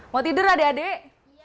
mau tidur adik adik